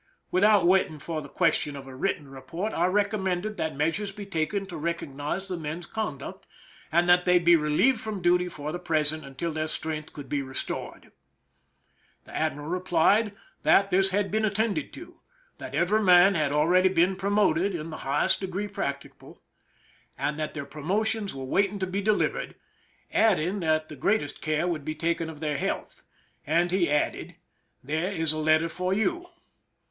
Without waiting for the question of a written report, I recommended that measures be taken to recognize the men's con duct, and that they be relieved from duty for the present until their strength could be restored. The adrairal replied that this had been attended to ; that every man had already been promoted in the high est degree practicable, and that their piomotions were waiting to be delivered, adding that the great est care would be taken of their health; and he added, " There is a letter for you."